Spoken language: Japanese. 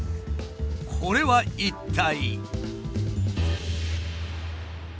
これは一体？